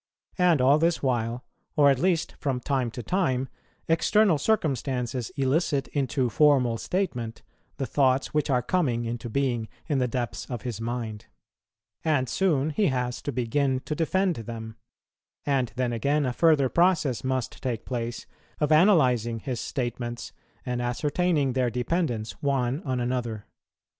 And all this while, or at least from time to time, external circumstances elicit into formal statement the thoughts which are coming into being in the depths of his mind; and soon he has to begin to defend them; and then again a further process must take place, of analyzing his statements and ascertaining their dependence one on another.